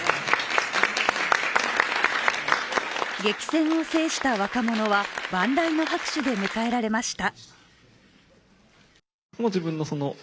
激戦を制した若者は、万雷の拍手で迎えられました。